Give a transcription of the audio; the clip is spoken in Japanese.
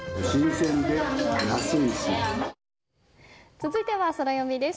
続いてはソラよみです。